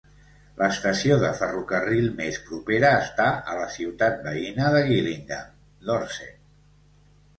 L'estació de ferrocarril més propera està a la ciutat veïna de Gillingham, Dorset.